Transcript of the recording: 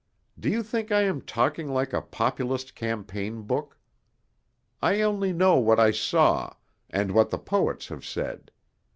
Do you think I am talking like a Populist campaign book? I only know what I saw, and what the poets have said.